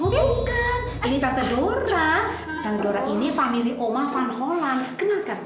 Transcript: bukan ini tante dora tante dora ini family oma van hollen kenal kan